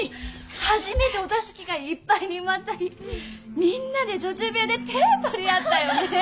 初めてお座敷がいっぱいに埋まった日みんなで女中部屋で手取り合ったよね。